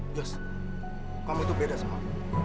jos kamu itu beda sama aku